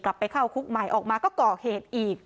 ไปเข้าคุกใหม่ออกมาก็ก่อเหตุอีก